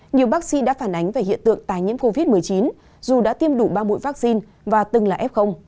nhiều bác sĩ đã phản ánh về hiện tượng tài nhiễm covid một mươi chín dù đã tiêm đủ ba mũi vaccine và từng là f